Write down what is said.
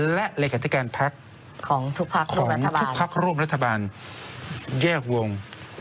และรายการพักของทุกพักร่วมรัฐบาลของทุกพักร่วมรัฐบาลแยกวง